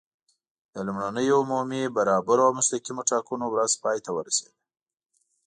د لومړنیو عمومي، برابرو او مستقیمو ټاکنو ورځ پای ته ورسېده.